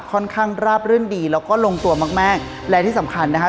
ค่อนข้างราบรื่นดีแล้วก็ลงตัวมากแม่งและที่สำคัญนะคะ